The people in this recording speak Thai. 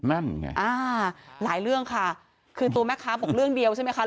นั่นไงอ่าหลายเรื่องค่ะคือตัวแม่ค้าบอกเรื่องเดียวใช่ไหมคะ